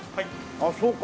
あっそうか。